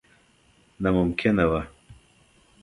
ناممکنه وه.